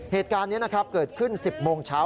เหตุการณ์นี้เกิดขึ้น๑๐โมงเช้า